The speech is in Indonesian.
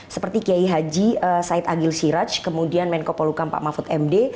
seperti kiai haji said agil siraj kemudian menko polukam pak mahfud md